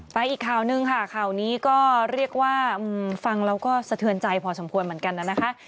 อีกข่าวหนึ่งค่ะข่าวนี้ก็เรียกว่าฟังแล้วก็สะเทือนใจพอสมควรเหมือนกันนะคะ